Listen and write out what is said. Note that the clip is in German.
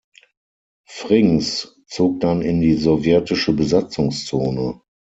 Frings zog dann in die Sowjetische Besatzungszone.